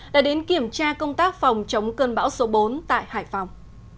đã đến kiểm tra công tác phòng chống cơn bão số bốn tại hải phòng